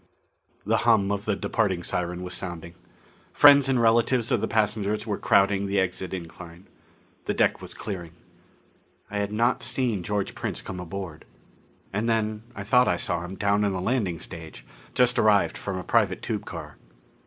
The hum of the departing siren was sounding. Friends and relatives of the passengers were crowding the exit incline. The deck was clearing. I had not seen George Prince come aboard. And then I thought I saw him down on the landing stage, just arrived from a private tube car.